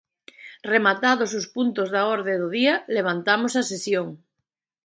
Rematados os puntos da orde do día, levantamos a sesión.